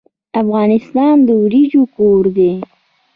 افغانستان د وریجو کور دی.